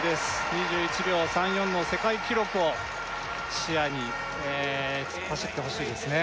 ２１秒３４の世界記録を視野に突っ走ってほしいですね